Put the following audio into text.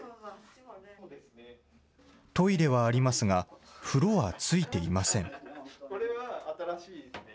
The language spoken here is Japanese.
トイレはありますが、風呂はついていません。